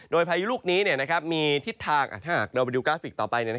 โดยพายุลูกนี้มีทิศทางถ้าหากเราไปดูกราฟิกต่อไป